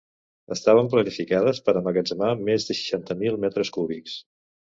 Estaven planificades per emmagatzemar més de seixanta mil metres cúbics.